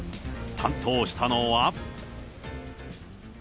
担当したのは。